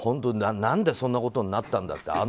何でそんなことになったんだって